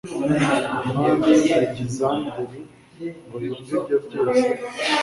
umwami alegisanderi ngo yumve ibyo byose